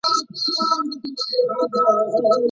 ولي هڅاند سړی د با استعداده کس په پرتله لاره اسانه کوي؟